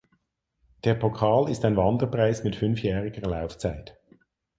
Der Pokal ist ein Wanderpreis mit fünfjähriger Laufzeit.